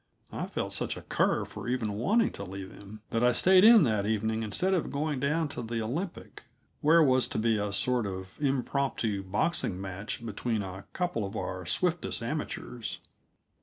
I felt such a cur for even wanting to leave him, that I stayed in that evening instead of going down to the Olympic, where was to be a sort of impromptu boxing match between a couple of our swiftest amateurs.